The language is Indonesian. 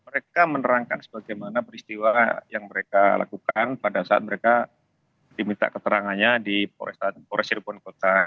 mereka menerangkan sebagaimana peristiwa yang mereka lakukan pada saat mereka diminta keterangannya di polres cirebon kota